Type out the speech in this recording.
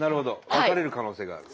分かれる可能性がある？